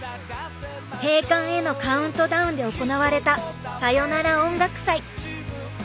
閉館へのカウントダウンで行われた「さよなら音楽祭」。